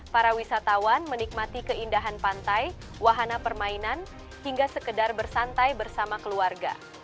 para wisatawan menikmati keindahan pantai wahana permainan hingga sekedar bersantai bersama keluarga